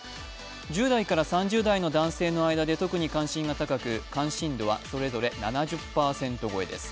１０代から３０代の男性で特に関心が高く関心度はそれぞれ７０％超えです。